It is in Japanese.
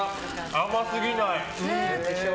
甘すぎない。